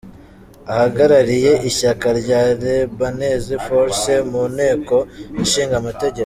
Ahagarariye Ishyaka rya Lebanese Forces mu Nteko Ishinga Amategeko.